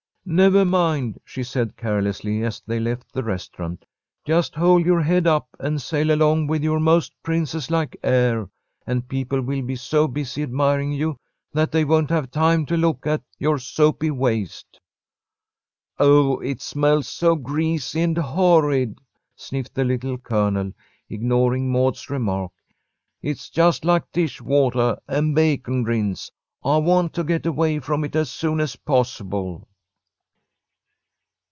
"Never mind," she said, carelessly, as they left the restaurant. "Just hold your head up and sail along with your most princess like air, and people will be so busy admiring you that they won't have time to look at your soupy waist." "Ugh! It smells so greasy and horrid," sniffed the Little Colonel, ignoring Maud's remark. "It's just like dishwatah and bacon rinds. I want to get away from it as soon as possible."